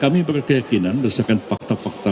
kami berkeyakinan berdasarkan fakta fakta